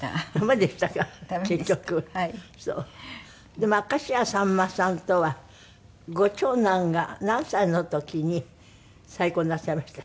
でも明石家さんまさんとはご長男が何歳の時に再婚なさいました？